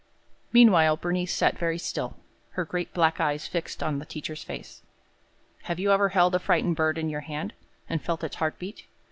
Meanwhile Bernice sat very still, her great black eyes fixed on the teacher's face. Have you ever held a frightened bird in your hand, and felt its heart beat?